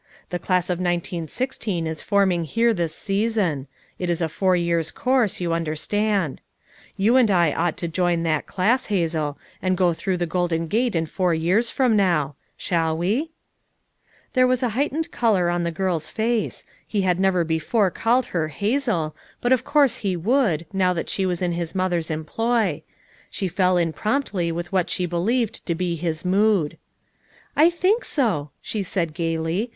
The class of 1916 is forming here this season; it is a four years course, you un derstand. You and I ought to join that class, FOUR MOTHERS AT CHAUTAUQUA 287 Hazel, and go through the golden gate in fonr years from now. Shall we?" There was a heightened color on the girl's face; he had never before called her "Hazel" but of course he would, now that she was in his mother's employ; she fell in promptly with what she believed to be his mood. "I think so," she said gayly.